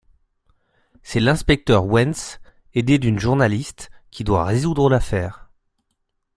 C'est l'inspecteur Wens, aidé d'une journaliste, qui doit résoudre l'affaire.